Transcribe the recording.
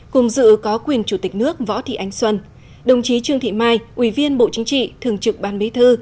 cùng dự có quyền chủ tịch nước võ thị anh xuân đồng chí trương thị mai ubnd thường trực ban bí thư